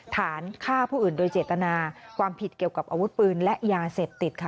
ฐานฆ่าผู้อื่นโดยเจตนาความผิดเกี่ยวกับอาวุธปืนและยาเสพติดค่ะ